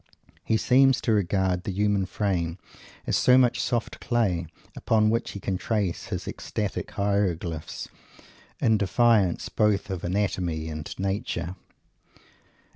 He seems to regard the human frame as so much soft clay, upon which he can trace his ecstatic hieroglyphs, in defiance both of anatomy and nature.